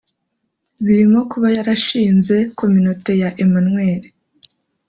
birimo kuba yarashinze Communaute ya Emmanuel